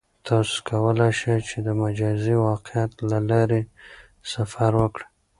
تاسو کولای شئ چې د مجازی واقعیت له لارې سفر وکړئ.